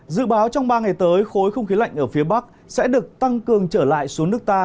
dự báo trong ba ngày tới khối không khí lạnh ở phía bắc sẽ được tăng cường trở lại xuống nước ta